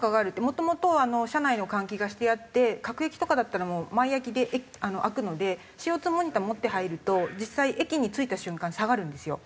もともと車内の換気がしてあって各駅とかだったら毎駅で開くのでＣＯ２モニターを持って入ると実際駅に着いた瞬間下がるんですよ